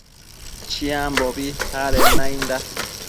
Chiambobi adenda nainda